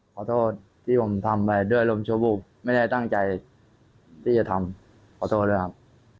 ขอโทษที่ผมทำไปด้วยอารมณ์ชั่ววูบไม่ได้ตั้งใจที่จะทำขอโทษด้วยครับ